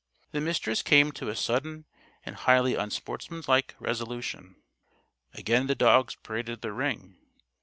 The Mistress came to a sudden and highly unsportsmanlike resolution. Again the dogs paraded the ring.